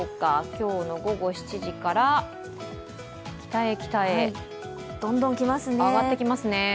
今日の午後７時から、北へ北へ上がってきますね。